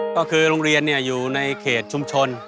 ก็คือโรงเรียนอยู่ในเขตชุมชน